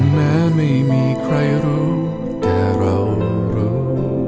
แม้ไม่มีใครรู้แต่เรารู้